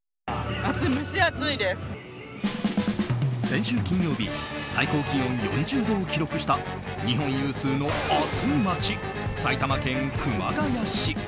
先週金曜日最高気温４０度を記録した日本有数の暑い街埼玉県熊谷市。